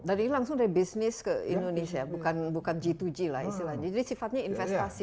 jadi langsung dari bisnis ke indonesia bukan g dua g lah istilahnya jadi sifatnya investasi ya murni